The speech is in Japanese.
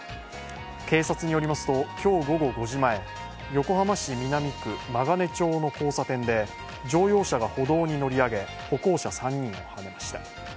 警察によりますと今日午後５時前、横浜市南区真金町の交差点で乗用車が歩道に乗り上げ歩行者３人をはねました。